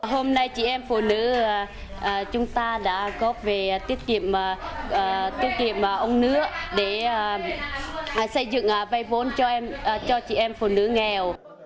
hôm nay chị em phụ nữ chúng ta đã góp về tiết kiệm ông nứa để xây dựng vay vốn cho chị em phụ nữ nghèo